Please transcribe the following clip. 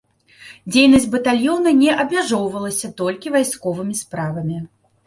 Дзейнасць батальёна не абмяжоўвалася толькі вайсковымі справамі.